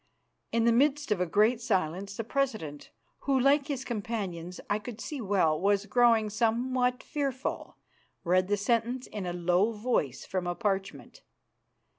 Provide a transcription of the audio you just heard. In the midst of a great silence the president, who, like his companions, I could see well, was growing somewhat fearful, read the sentence in a low voice from a parchment.